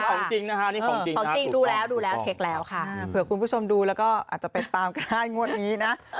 ความจริงดูแล้วดูแล้วคุณคุณถูกมองแล้วก็จะไปตามกันได้